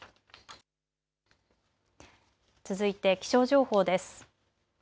続いて気象情報です。